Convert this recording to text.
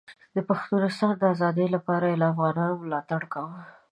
د پښتونستان د ازادۍ لپاره یې له افغانانو ملاتړ کاوه.